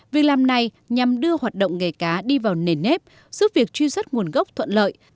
việc làm này nhằm đưa hoạt động nghề cá đi vào nền nếp giúp việc truy xuất nguồn gốc thuận lợi